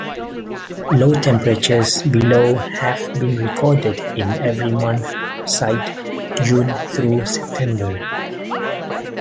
Low temperatures below have been recorded in every month outside June through September.